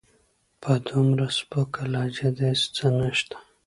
په دومره سپکه لهجه داسې څه نشته.